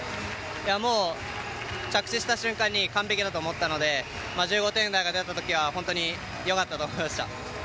もう、着地した瞬間に完璧だと思ったので１５点台が出た時はよかったと思いました。